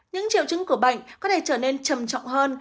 những triệu chứng của bệnh có thể trở nên trầm trọng hơn